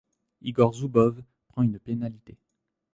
Igor Zoubov prend une pénalité.